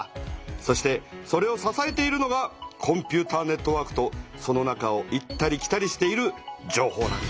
そしてそれをささえているのがコンピューターネットワークとその中を行ったり来たりしている情報なんだ。